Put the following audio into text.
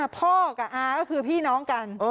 พ่อก็คือพี่น้องกัน